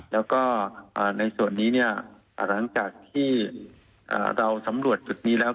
แล้วก็ในส่วนนี้เนี่ยหลังจากที่เราสำรวจจุดนี้แล้ว